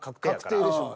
確定でしょ。